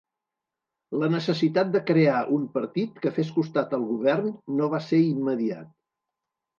La necessitat de crear un partit que fes costat al Govern no va ser immediat.